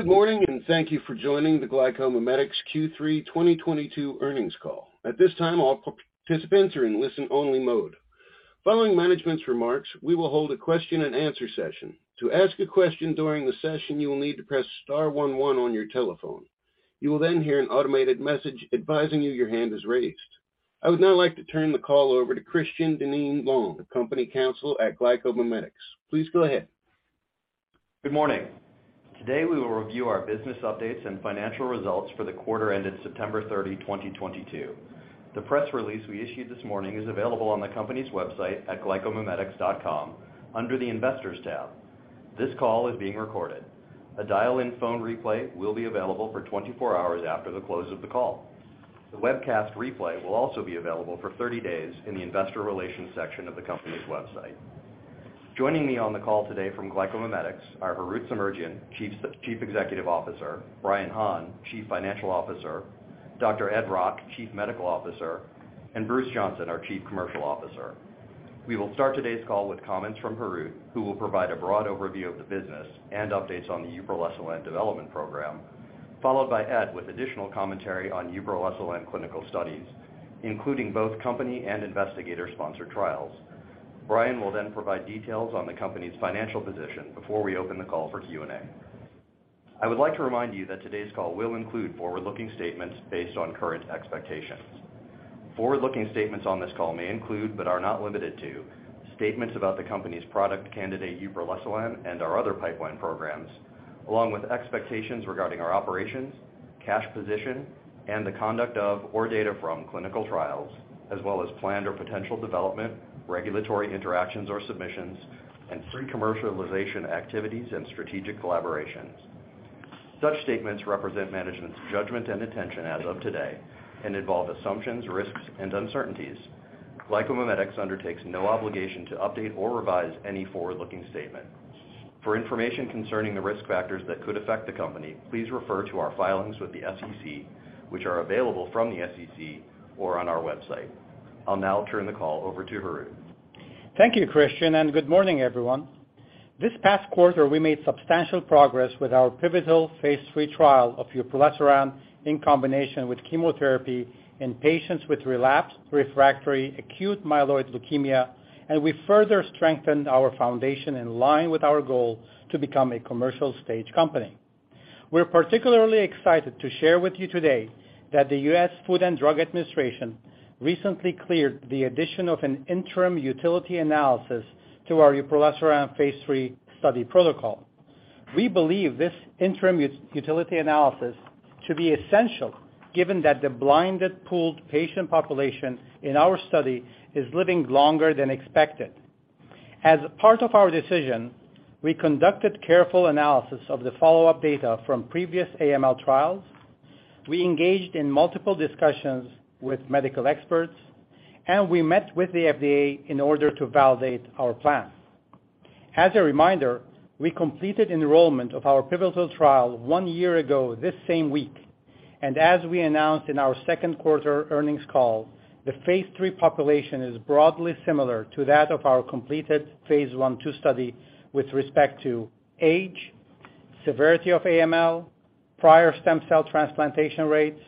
Good morning, and thank you for joining the GlycoMimetics Q3 2022 Earnings Call. At this time, all participants are in listen-only mode. Following management's remarks, we will hold a question and answer session. To ask a question during the session, you will need to press star one one on your telephone. You will then hear an automated message advising you your hand is raised. I would now like to turn the call over to Christian Dinneen-Long, Company Counsel at GlycoMimetics. Please go ahead. Good morning. Today, we will review our business updates and financial results for the quarter ended September 30, 2022. The press release we issued this morning is available on the company's website at glycomimetics.com under the Investors tab. This call is being recorded. A dial-in phone replay will be available for 24 hours after the close of the call. The webcast replay will also be available for 30 days in the investor relations section of the company's website. Joining me on the call today from GlycoMimetics are Harout Semerjian, Chief Executive Officer, Brian Hahn, Chief Financial Officer, Dr. Edwin Rock, Chief Medical Officer, and Bruce Johnson, our Chief Commercial Officer. We will start today's call with comments from Harout, who will provide a broad overview of the business and updates on the uproleselan development program, followed by Ed with additional commentary on uproleselan clinical studies, including both company and investigator-sponsored trials. Brian will then provide details on the company's financial position before we open the call for Q&A. I would like to remind you that today's call will include forward-looking statements based on current expectations. Forward-looking statements on this call may include, but are not limited to, statements about the company's product candidate uproleselan and our other pipeline programs, along with expectations regarding our operations, cash position, and the conduct of or data from clinical trials, as well as planned or potential development, regulatory interactions or submissions, and pre-commercialization activities and strategic collaborations. Such statements represent management's judgment and attention as of today and involve assumptions, risks, and uncertainties. GlycoMimetics undertakes no obligation to update or revise any forward-looking statement. For information concerning the risk factors that could affect the company, please refer to our filings with the SEC, which are available from the SEC or on our website. I'll now turn the call over to Harout. Thank you, Christian, and good morning, everyone. This past quarter, we made substantial progress with our pivotal Phase 3 trial of uproleselan in combination with chemotherapy in patients with relapsed refractory acute myeloid leukemia, and we further strengthened our foundation in line with our goal to become a commercial stage company. We're particularly excited to share with you today that the U.S. Food and Drug Administration recently cleared the addition of an interim utility analysis to our uproleselan Phase 3 study protocol. We believe this interim utility analysis to be essential given that the blinded pooled patient population in our study is living longer than expected. As part of our decision, we conducted careful analysis of the follow-up data from previous AML trials. We engaged in multiple discussions with medical experts, and we met with the FDA in order to validate our plans. As a reminder, we completed enrollment of our pivotal trial one year ago this same week. As we announced in our second quarter earnings call, the Phase 3 population is broadly similar to that of our completed Phase 1, Phase 2 study with respect to age, severity of AML, prior stem cell transplantation rates,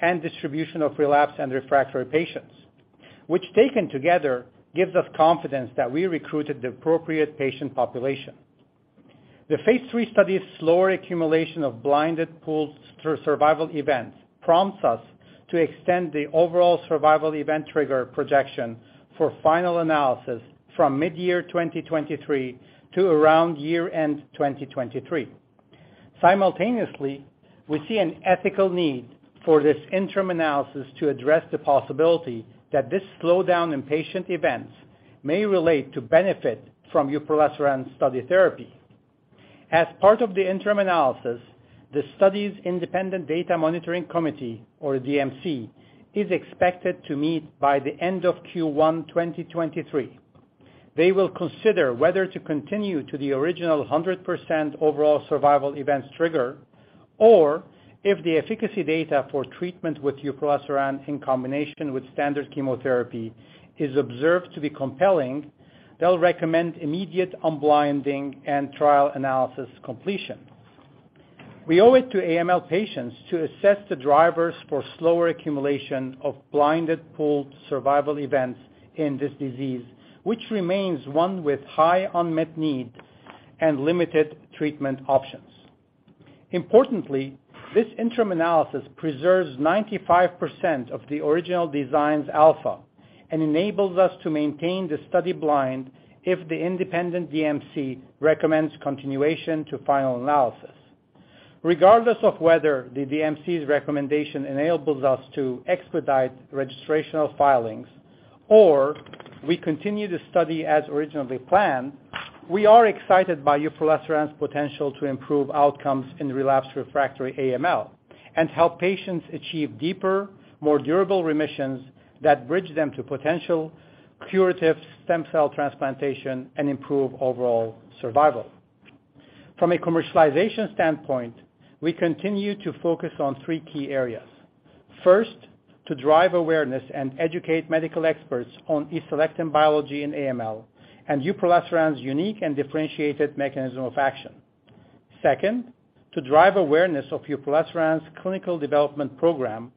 and distribution of relapse and refractory patients, which taken together gives us confidence that we recruited the appropriate patient population. The Phase 3 Istudy's slower accumulation of blinded pools through survival events prompts us to extend the overall survival event trigger projection for final analysis from mid-year 2023 to around year-end 2023. Simultaneously, we see an ethical need for this interim analysis to address the possibility that this slowdown in patient events may relate to benefit from uproleselan study therapy. As part of the interim analysis, the study's independent Data Monitoring Committee or DMC is expected to meet by the end of Q1 2023. They will consider whether to continue to the original 100% overall survival events trigger, or if the efficacy data for treatment with uproleselan in combination with standard chemotherapy is observed to be compelling, they'll recommend immediate unblinding and trial analysis completion. We owe it to AML patients to assess the drivers for slower accumulation of blinded pooled survival events in this disease, which remains one with high unmet need and limited treatment options. Importantly, this interim analysis preserves 95% of the original design's alpha and enables us to maintain the study blind if the independent DMC recommends continuation to final analysis. Regardless of whether the DMC's recommendation enables us to expedite registrational filings or we continue the study as originally planned, we are excited by uproleselan's potential to improve outcomes in relapsed refractory AML and help patients achieve deeper, more durable remissions that bridge them to potential curative stem cell transplantation and improve overall survival. From a commercialization standpoint, we continue to focus on three key areas. First, to drive awareness and educate medical experts on E-selectin biology in AML and uproleselan's unique and differentiated mechanism of action. Second, to drive awareness of uproleselan's clinical development program.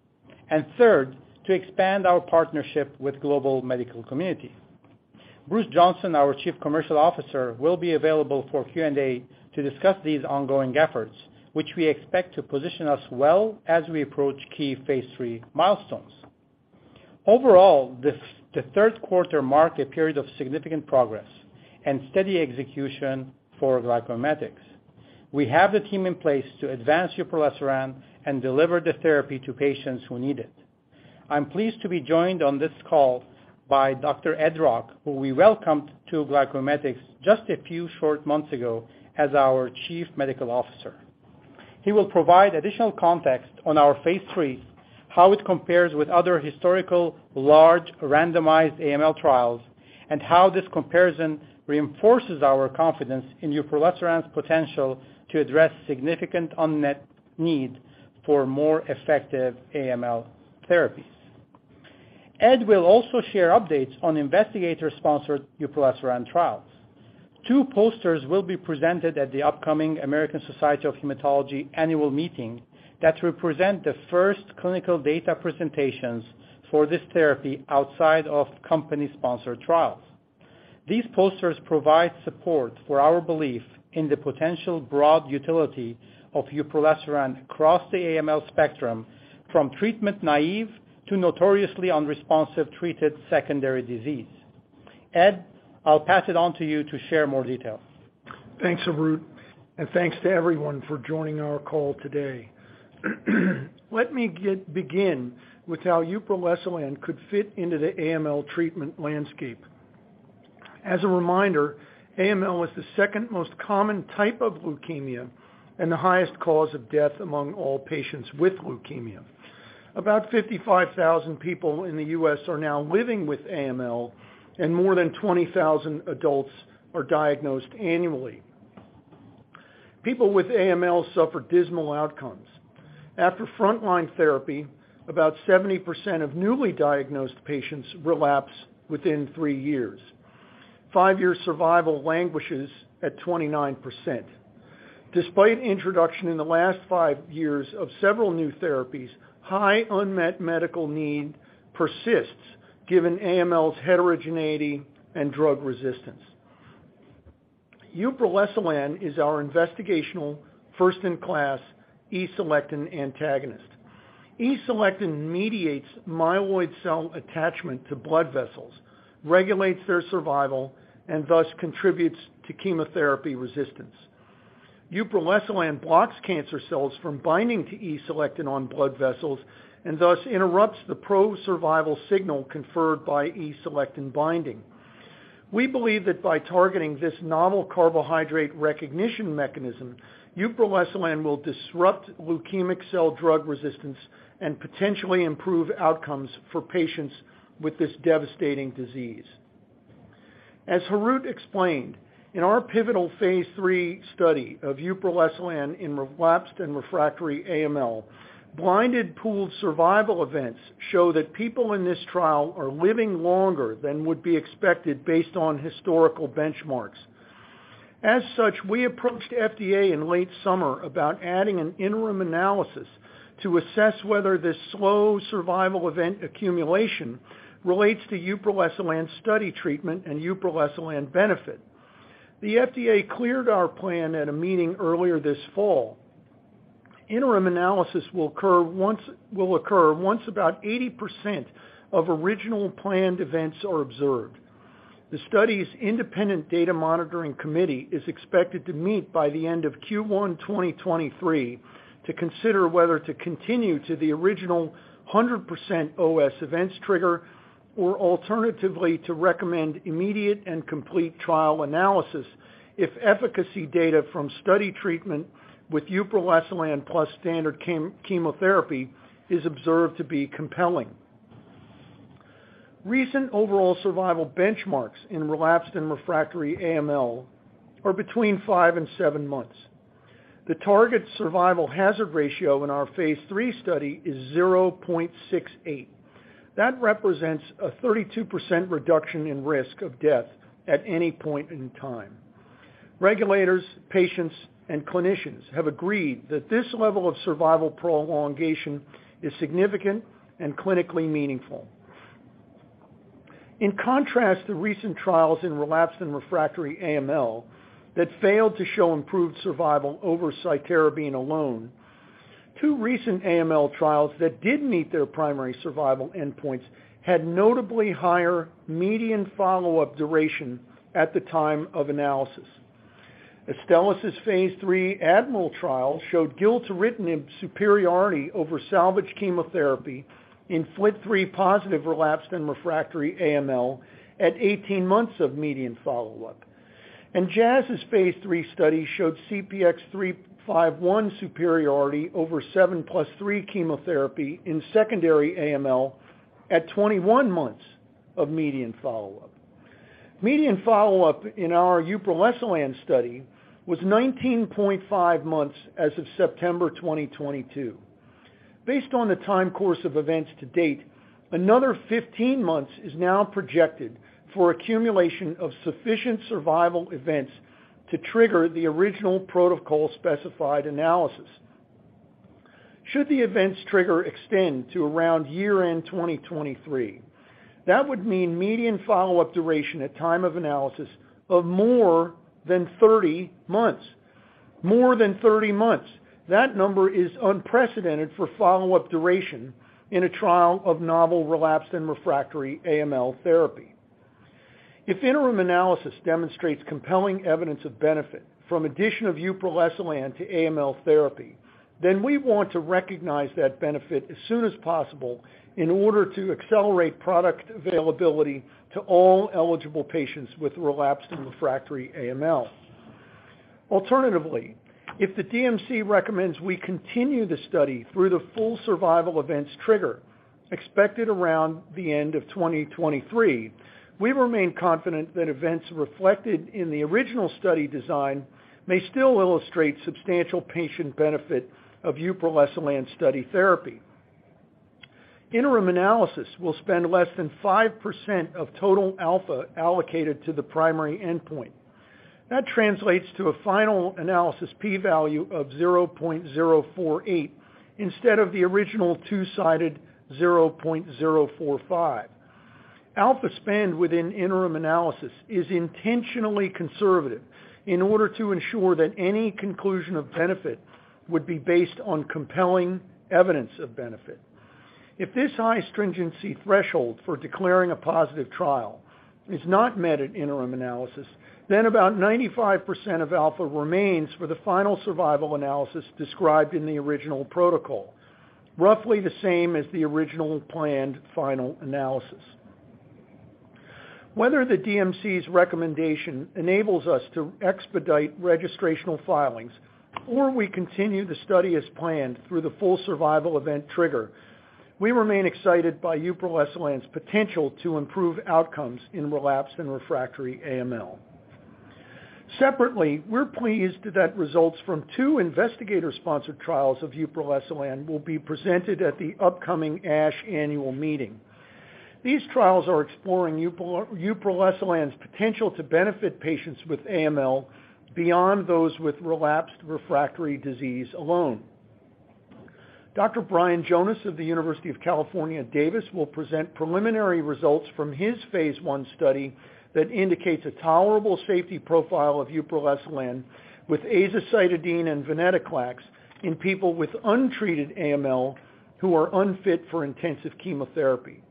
Third, to expand our partnership with global medical community. Bruce Johnson, our Chief Commercial Officer, will be available for Q&A to discuss these ongoing efforts, which we expect to position us well as we approach key Phase 3 milestones. Overall, the third quarter marked a period of significant progress and steady execution for GlycoMimetics. We have the team in place to advance uproleselan and deliver the therapy to patients who need it. I'm pleased to be joined on this call by Dr. Edwin Rock, who we welcomed to GlycoMimetics just a few short months ago as our Chief Medical Officer. He will provide additional context on our Phase 3, how it compares with other historical large randomized AML trials, and how this comparison reinforces our confidence in uproleselan's potential to address significant unmet need for more effective AML therapies. Ed will also share updates on investigator-sponsored uproleselan trials. Two posters will be presented at the upcoming American Society of Hematology Annual Meeting that will present the first clinical data presentations for this therapy outside of company-sponsored trials. These posters provide support for our belief in the potential broad utility of uproleselan across the AML spectrum, from treatment naive to notoriously unresponsive treated secondary disease. Ed, I'll pass it on to you to share more details. Thanks, Harout, and thanks to everyone for joining our call today. Let me begin with how uproleselan could fit into the AML treatment landscape. As a reminder, AML is the second most common type of leukemia and the highest cause of death among all patients with leukemia. About 55,000 people in the U.S. are now living with AML, and more than 20,000 adults are diagnosed annually. People with AML suffer dismal outcomes. After frontline therapy, about 70% of newly diagnosed patients relapse within three years. Five-year survival languishes at 29%. Despite introduction in the last five years of several new therapies, high unmet medical need persists, given AML's heterogeneity and drug resistance. Uproleselan is our investigational first-in-class E-selectin antagonist. E-selectin mediates myeloid cell attachment to blood vessels, regulates their survival, and thus contributes to chemotherapy resistance. Uproleselan blocks cancer cells from binding to E-selectin on blood vessels and thus interrupts the pro-survival signal conferred by E-selectin binding. We believe that by targeting this novel carbohydrate recognition mechanism, uproleselan will disrupt leukemic cell drug resistance and potentially improve outcomes for patients with this devastating disease. As Harout explained, in our pivotal Phase 3 study of uproleselan in relapsed and refractory AML, blinded pooled survival events show that people in this trial are living longer than would be expected based on historical benchmarks. As such, we approached FDA in late summer about adding an interim analysis to assess whether this slow survival event accumulation relates to uproleselan study treatment and uproleselan benefit. The FDA cleared our plan at a meeting earlier this fall. Interim analysis will occur once about 80% of original planned events are observed. The study's independent data monitoring committee is expected to meet by the end of Q1 2023 to consider whether to continue to the original 100% OS events trigger or alternatively to recommend immediate and complete trial analysis if efficacy data from study treatment with uproleselan plus standard chemotherapy is observed to be compelling. Recent overall survival benchmarks in relapsed and refractory AML are between five and seven months. The target survival hazard ratio in our Phase 3 study is 0.68. That represents a 32% reduction in risk of death at any point in time. Regulators, patients, and clinicians have agreed that this level of survival prolongation is significant and clinically meaningful. In contrast to recent trials in relapsed and refractory AML that failed to show improved survival over cytarabine alone, two recent AML trials that did meet their primary survival endpoints had notably higher median follow-up duration at the time of analysis. Astellas' Phase 3 ADMIRAL trial showed Gilteritinib superiority over salvage chemotherapy in FLT3-positive relapsed and refractory AML at 18 months of median follow-up. Jazz's Phase 3 study showed CPX351 superiority over 7+3 chemotherapy in secondary AML at 21 months of median follow-up. Median follow-up in our uproleselan study was 19.5 months as of September 2022. Based on the time course of events to date, another 15 months is now projected for accumulation of sufficient survival events to trigger the original protocol specified analysis. Should the events trigger extend to around year-end 2023, that would mean median follow-up duration at time of analysis of more than 30 months. More than 30 months. That number is unprecedented for follow-up duration in a trial of novel relapsed and refractory AML therapy. If interim analysis demonstrates compelling evidence of benefit from addition of uproleselan to AML therapy, then we want to recognize that benefit as soon as possible in order to accelerate product availability to all eligible patients with relapsed and refractory AML. Alternatively, if the DMC recommends we continue the study through the full survival events trigger expected around the end of 2023, we remain confident that events reflected in the original study design may still illustrate substantial patient benefit of uproleselan study therapy. Interim analysis will spend less than 5% of total alpha allocated to the primary endpoint. That translates to a final analysis p-value of 0.048 instead of the original two-sided 0.045. Alpha spend within interim analysis is intentionally conservative in order to ensure that any conclusion of benefit would be based on compelling evidence of benefit. If this high stringency threshold for declaring a positive trial is not met at interim analysis, then about 95% of alpha remains for the final survival analysis described in the original protocol, roughly the same as the original planned final analysis. Whether the DMC's recommendation enables us to expedite registrational filings, or we continue the study as planned through the full survival event trigger, we remain excited by uproleselan's potential to improve outcomes in relapsed and refractory AML. Separately, we're pleased that results from two investigator-sponsored trials of uproleselan will be presented at the upcoming ASH annual meeting. These trials are exploring uproleselan's potential to benefit patients with AML beyond those with relapsed refractory disease alone. Dr. Brian Jonas of the University of California, Davis, will present preliminary results from his Phase 1 study that indicates a tolerable safety profile of uproleselan with Azacitidine and venetoclax in people with untreated AML who are unfit for intensive chemotherapy.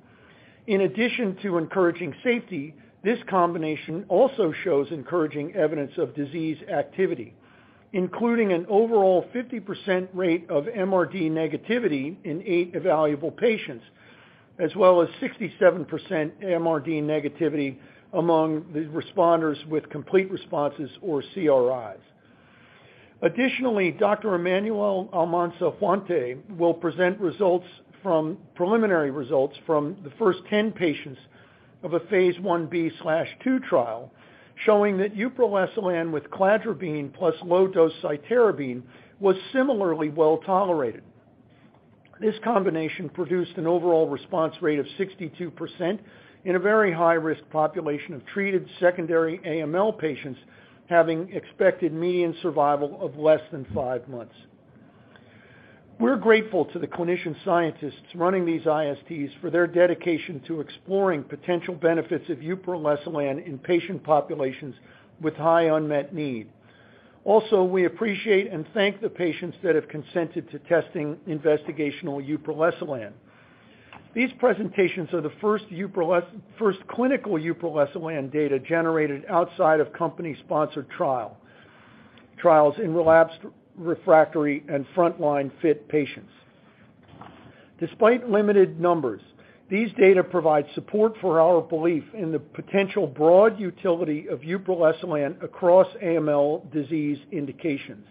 In addition to encouraging safety, this combination also shows encouraging evidence of disease activity, including an overall 50% rate of MRD negativity in eight evaluable patients, as well as 67% MRD negativity among the responders with complete responses or CRis. Additionally, Dr. Emmanuel Almanza-Huante will present preliminary results from the first 10 patients of a Phase 1b/2 trial showing that uproleselan with cladribine plus low-dose cytarabine was similarly well-tolerated. This combination produced an overall response rate of 62% in a very high-risk population of treated secondary AML patients having expected median survival of less than 5 months. We're grateful to the clinician scientists running these ISTs for their dedication to exploring potential benefits of uproleselan in patient populations with high unmet need. Also, we appreciate and thank the patients that have consented to testing investigational uproleselan. These presentations are the first clinical uproleselan data generated outside of company-sponsored trials in relapsed, refractory, and frontline fit patients. Despite limited numbers, these data provide support for our belief in the potential broad utility of uproleselan across AML disease indications.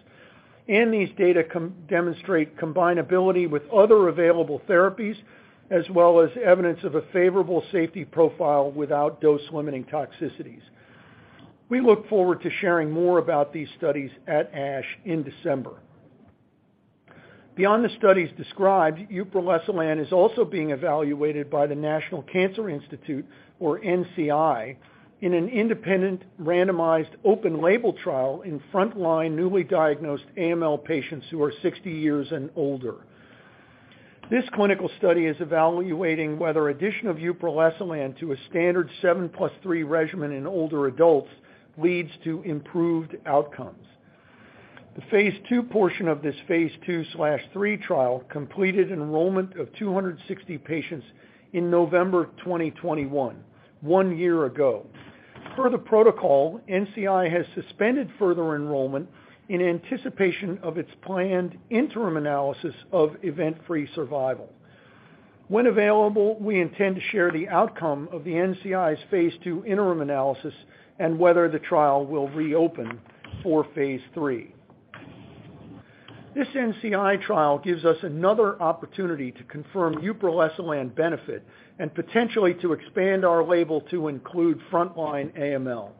These data demonstrate combinability with other available therapies, as well as evidence of a favorable safety profile without dose-limiting toxicities. We look forward to sharing more about these studies at ASH in December. Beyond the studies described, uproleselan is also being evaluated by the National Cancer Institute, or NCI, in an independent randomized open label trial in frontline newly diagnosed AML patients who are 60 years and older. This clinical study is evaluating whether addition of uproleselan to a standard 7+3 regimen in older adults leads to improved outcomes. The Phase 2 portion of this Phase 2/3 trial completed enrollment of 260 patients in November 2021, one year ago. Per the protocol, NCI has suspended further enrollment in anticipation of its planned interim analysis of event-free survival. When available, we intend to share the outcome of the NCI's Phase 2 interim analysis and whether the trial will reopen for Phase 3. This NCI trial gives us another opportunity to confirm uproleselan benefit and potentially to expand our label to include frontline AML.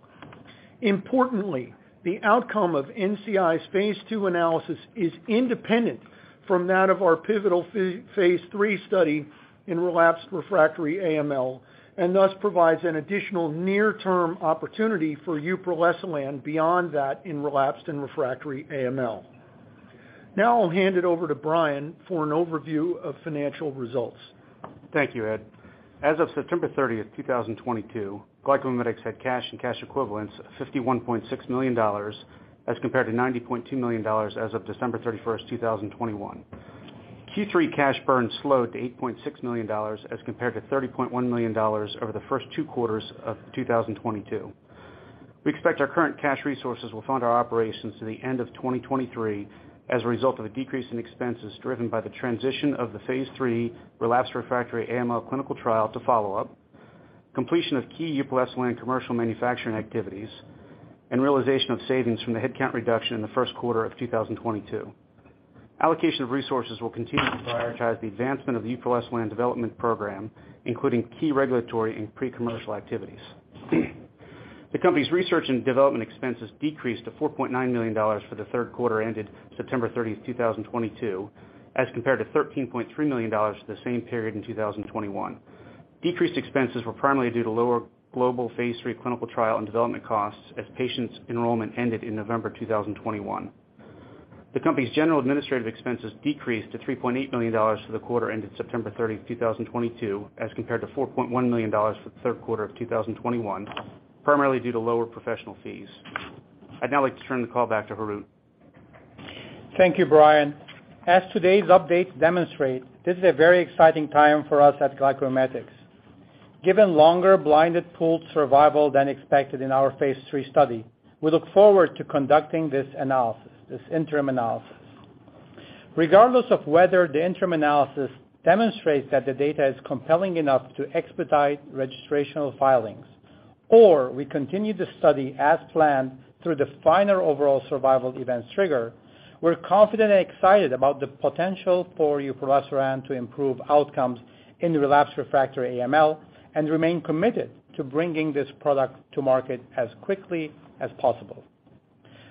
Importantly, the outcome of NCI's Phase 2 analysis is independent from that of our pivotal Phase 3 study in relapsed refractory AML, and thus provides an additional near-term opportunity for uproleselan beyond that in relapsed and refractory AML. Now I'll hand it over to Brian for an overview of financial results. Thank you, Ed. As of September 30th, 2022, GlycoMimetics had cash and cash equivalents of $51.6 million, as compared to $90.2 million as of December 31st, 2021. Q3 cash burn slowed to $8.6 million, as compared to $30.1 million over the first two quarters of 2022. We expect our current cash resources will fund our operations to the end of 2023 as a result of the decrease in expenses driven by the transition of the Phase 3 relapsed refractory AML clinical trial to follow up, completion of key uproleselan commercial manufacturing activities, and realization of savings from the headcount reduction in the first quarter of 2022. Allocation of resources will continue to prioritize the advancement of the uproleselan development program, including key regulatory and pre-commercial activities. The company's research and development expenses decreased to $4.9 million for the third quarter ended September 30, 2022, as compared to $13.3 million for the same period in 2021. Decreased expenses were primarily due to lower global Phase 3 clinical trial and development costs as patients' enrollment ended in November 2021. The company's general administrative expenses decreased to $3.8 million for the quarter ended September 30, 2022, as compared to $4.1 million for the third quarter of 2021, primarily due to lower professional fees. I'd now like to turn the call back to Harout. Thank you, Brian. As today's updates demonstrate, this is a very exciting time for us at GlycoMimetics. Given longer blinded pooled survival than expected in our Phase 3 study, we look forward to conducting this analysis, this interim analysis. Regardless of whether the interim analysis demonstrates that the data is compelling enough to expedite registrational filings, or we continue the study as planned through the final overall survival events trigger, we're confident and excited about the potential for uproleselan to improve outcomes in the relapsed refractory AML and remain committed to bringing this product to market as quickly as possible.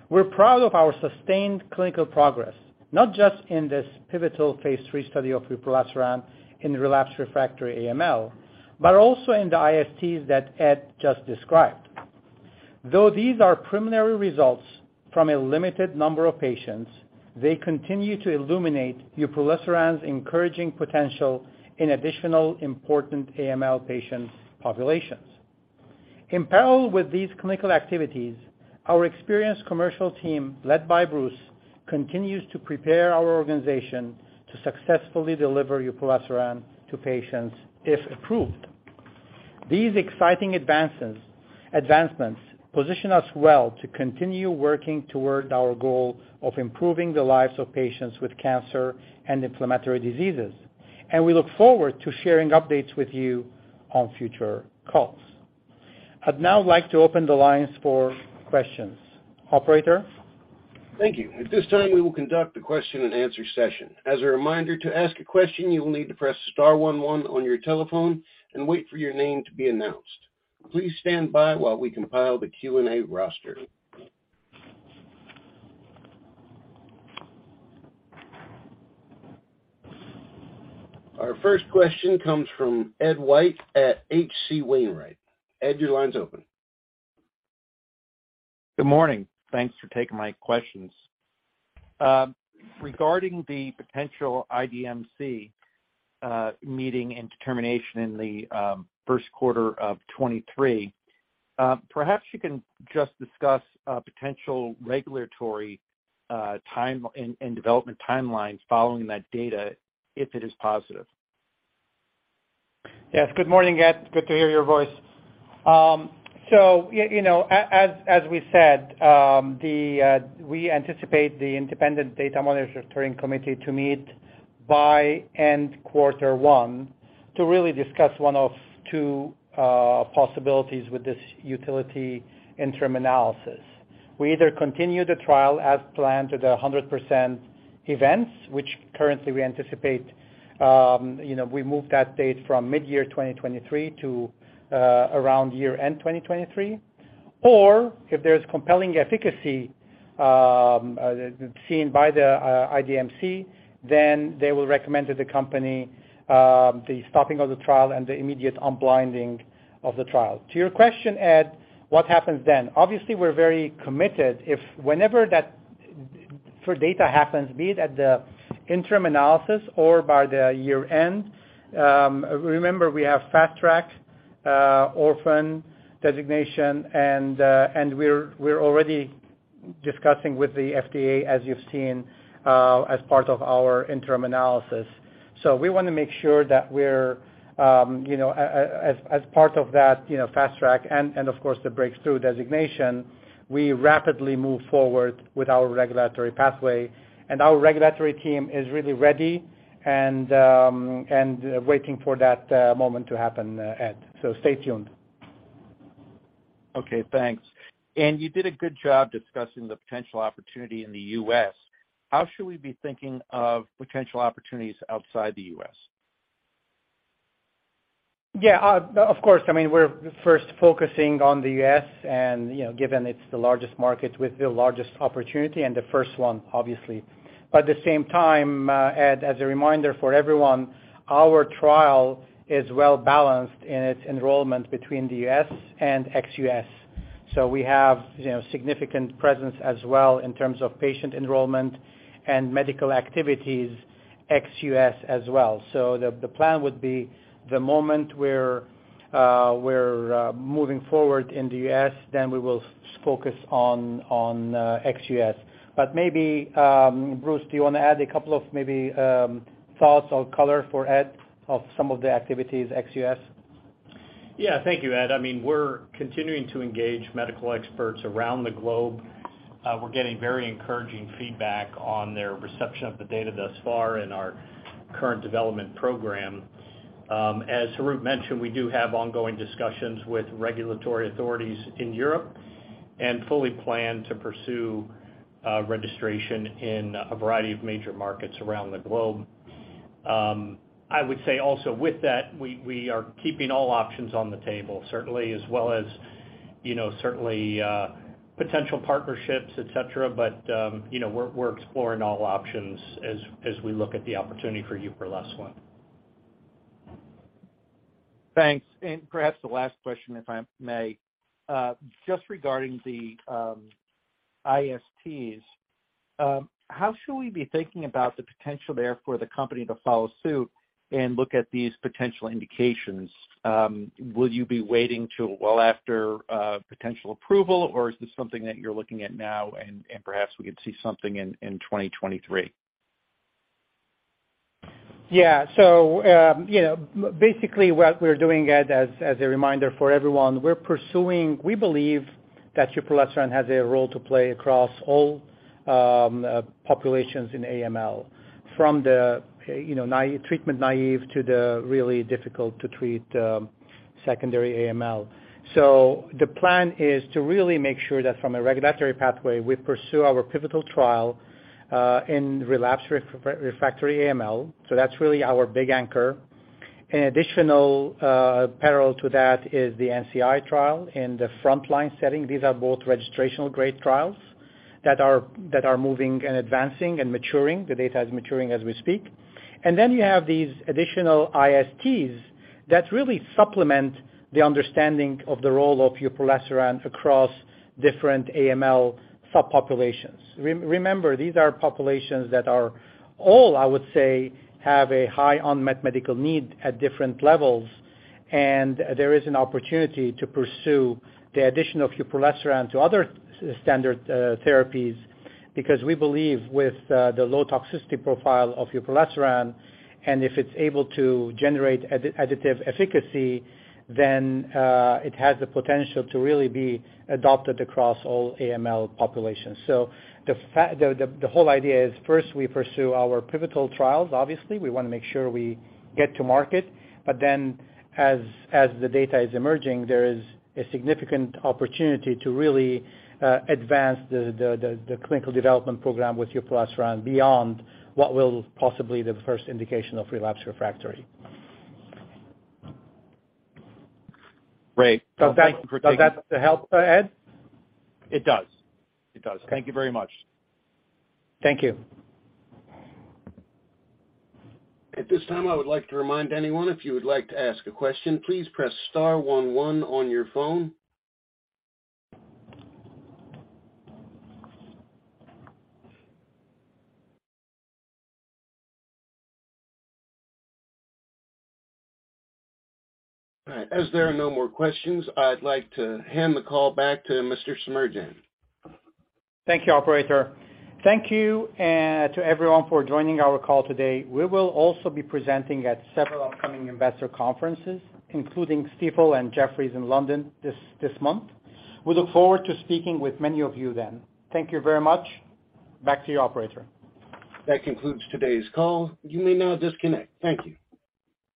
We're proud of our sustained clinical progress, not just in this pivotal Phase 3 study of uproleselan in relapsed refractory AML, but also in the ISTs that Ed just described. Though these are preliminary results from a limited number of patients, they continue to illuminate uproleselan's encouraging potential in additional important AML patient populations. In parallel with these clinical activities, our experienced commercial team, led by Bruce, continues to prepare our organization to successfully deliver uproleselan to patients if approved. These exciting advancements position us well to continue working toward our goal of improving the lives of patients with cancer and inflammatory diseases, and we look forward to sharing updates with you on future calls. I'd now like to open the lines for questions. Operator? Thank you. At this time, we will conduct a question and answer session. As a reminder, to ask a question, you will need to press star one one on your telephone and wait for your name to be announced. Please stand by while we compile the Q&A roster. Our first question comes from Ed White at H.C. Wainwright. Ed, your line's open. Good morning. Thanks for taking my questions. Regarding the potential IDMC meeting and determination in the first quarter of 2023, perhaps you can just discuss potential regulatory time and development timelines following that data if it is positive? Yes. Good morning, Ed. Good to hear your voice. So you know, as we said, we anticipate the independent data monitoring committee to meet by end quarter one to really discuss one of two possibilities with this utility interim analysis. We either continue the trial as planned to the 100% events, which currently we anticipate, we moved that date from midyear 2023 to around year-end 2023. Or if there's compelling efficacy seen by the IDMC, then they will recommend to the company the stopping of the trial and the immediate unblinding of the trial. To your question, Ed, what happens then? Obviously, we're very committed if whenever that data happens, be it at the interim analysis or by the year end, remember, we have Fast Track, Orphan Drug Designation, and we're already discussing with the FDA, as you've seen, as part of our interim analysis. We wanna make sure that we're, you know, as part of that, you know, Fast Track and of course, the Breakthrough Therapy Designation, we rapidly move forward with our regulatory pathway. Our regulatory team is really ready and waiting for that moment to happen, Ed. Stay tuned. Okay, thanks. You did a good job discussing the potential opportunity in the U.S. How should we be thinking of potential opportunities outside the U.S.? Yeah, of course. I mean, we're first focusing on the U.S. and, you know, given it's the largest market with the largest opportunity and the first one, obviously. At the same time, Ed, as a reminder for everyone, our trial is well balanced in its enrollment between the U.S. and ex-U.S.. We have, you know, significant presence as well in terms of patient enrollment and medical activities, ex-U.S. as well. The plan would be the moment we're moving forward in the U.S., then we will focus on ex-U.S.. Maybe, Bruce, do you wanna add a couple of maybe thoughts or color for Ed of some of the activities ex-U.S.? Yeah. Thank you, Ed. I mean, we're continuing to engage medical experts around the globe. We're getting very encouraging feedback on their reception of the data thus far in our current development program. As Harout mentioned, we do have ongoing discussions with regulatory authorities in Europe, and fully plan to pursue registration in a variety of major markets around the globe. I would say also with that, we are keeping all options on the table, certainly as well as, you know, certainly potential partnerships, et cetera. You know, we're exploring all options as we look at the opportunity for uproleselan. Thanks. Perhaps the last question, if I may. Just regarding the ISTs, how should we be thinking about the potential there for the company to follow suit and look at these potential indications? Will you be waiting till well after potential approval, or is this something that you're looking at now and perhaps we could see something in 2023? Yeah. You know, basically what we're doing, Ed, as a reminder for everyone, we're pursuing. We believe that uproleselan has a role to play across all populations in AML, from the, you know, treatment-naïve to the really difficult to treat secondary AML. The plan is to really make sure that from a regulatory pathway, we pursue our pivotal trial in relapsed refractory AML. That's really our big anchor. An additional parallel to that is the NCI trial in the frontline setting. These are both registrational grade trials that are moving and advancing and maturing. The data is maturing as we speak. Then you have these additional ISTs that really supplement the understanding of the role of uproleselan across different AML subpopulations. Remember, these are populations that are all, I would say, have a high unmet medical need at different levels, and there is an opportunity to pursue the addition of uproleselan to other standard therapies because we believe with the low toxicity profile of uproleselan, and if it's able to generate additive efficacy, then it has the potential to really be adopted across all AML populations. The whole idea is first, we pursue our pivotal trials. Obviously, we wanna make sure we get to market. Then as the data is emerging, there is a significant opportunity to really advance the clinical development program with uproleselan beyond what will possibly the first indication of relapsed refractory. Great. Well, thank you for taking. Does that help, Ed? It does. Thank you very much. Thank you. At this time, I would like to remind anyone, if you would like to ask a question, please press star one one on your phone. All right. As there are no more questions, I'd like to hand the call back to Mr. Semerjian. Thank you, operator. Thank you to everyone for joining our call today. We will also be presenting at several upcoming investor conferences, including Stifel and Jefferies in London this month. We look forward to speaking with many of you then. Thank you very much. Back to you, operator. That concludes today's call. You may now disconnect. Thank you.